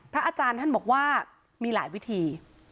อาจารย์ท่านบอกว่ามีหลายวิธี